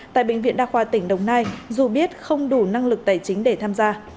tại bệnh viện đa khoa tỉnh đồng nai dù biết không đủ năng lực tài chính để tham gia